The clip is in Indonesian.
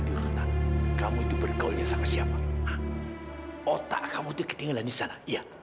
bapak ngomongnya sama siapa otak kamu itu ketinggalan disana iya